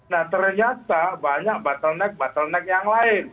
nah ternyata banyak bottleneck bottleneck yang lain